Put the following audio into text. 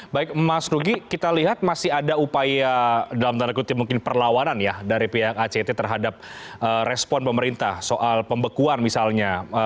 baik mas rugi kita lihat masih ada upaya dalam tanda kutip mungkin perlawanan ya dari pihak act terhadap respon pemerintah soal pembekuan misalnya